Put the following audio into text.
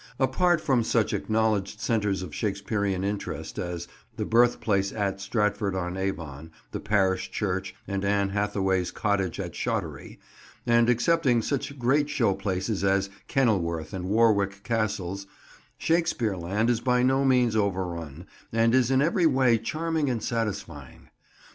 Apart from such acknowledged centres of Shakespearean interest as the Birthplace at Stratford on Avon, the parish church, and Anne Hathaway's Cottage at Shottery; and excepting such great show places as Kenilworth and Warwick castles, Shakespeare Land is by no means overrun, and is in every way charming and satisfying.